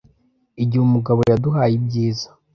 igihe umugabo yaduhaye ibyiza